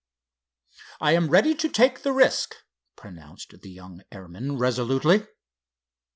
"I am ready to take the risk," pronounced the young airman, resolutely.